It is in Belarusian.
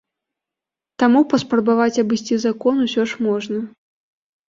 Таму паспрабаваць абысці закон усё ж можна.